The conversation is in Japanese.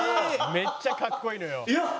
「めっちゃかっこいいのよ」